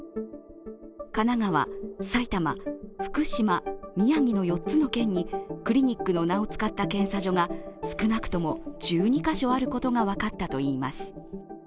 神奈川、埼玉、福島、宮城の４つの県にクリニックの名を使った検査所が少なくとも１２カ所あることが分かったといいます。